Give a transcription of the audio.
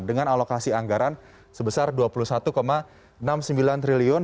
dengan alokasi anggaran sebesar rp dua puluh satu enam puluh sembilan triliun